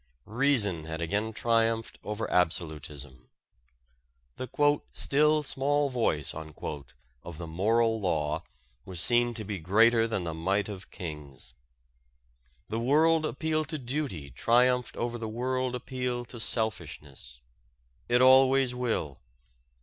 Reason had again triumphed over absolutism. The "still small voice" of the moral law was seen to be greater than the might of kings. The world appeal to duty triumphed over the world appeal to selfishness. It always will.